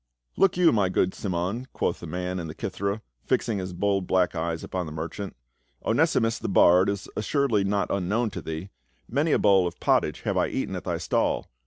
" Look you, my good Cimon," quoth the man with the kithcra, fixing his bold black eyes upon the mer chant, " Onesimus, the bard, is assuredly not unknown to thee. Many a bowl of pottage have I eaten at thy stall.